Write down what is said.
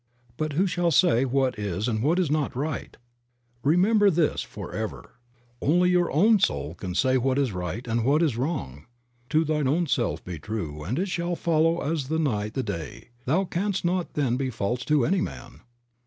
But who shall say what is and what is not right? Remember this forever, 56 Creative Mind. only your own soul shall say what is right and what is wrong. "To thine own self be true, and it shall follow as the night the day, thou canst not then be false to any man."